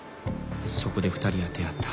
そこで２人は出会った。